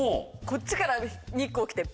こっちから。